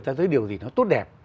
ta thấy điều gì nó tốt đẹp